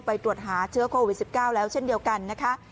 ตรวจหาเชื้อโควิด๑๙แล้วเช่นเดียวกันนะคะ